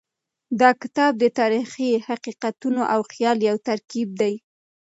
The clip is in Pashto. دا کتاب د تاریخي حقیقتونو او خیال یو ترکیب دی.